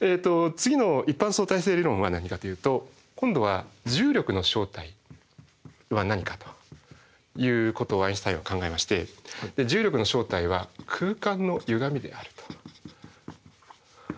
次の一般相対性理論は何かというと今度は重力の正体は何かということをアインシュタインは考えまして重力の正体は空間のゆがみであると。